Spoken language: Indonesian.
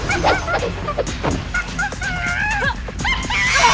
kau jangan menggantikan lain juga